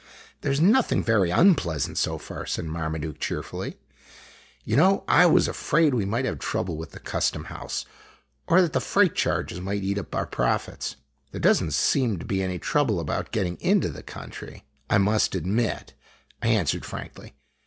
" There 's nothing very unpleasant so far," said Marmaduke cheerfully. " You know I was afraid we might have trouble with the custom house, or that the freight charges might eat up our profits." " There does n't seem to be any trouble about getting into the country, I must admit," I answered frankly.